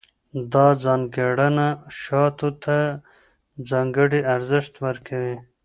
دا ځانګړنه شاتو ته ځانګړی ارزښت ورکوي.